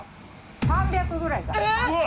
３００個ぐらいかな。